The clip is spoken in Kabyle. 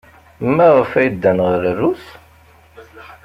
Maɣef ay ddan ɣer Rrus?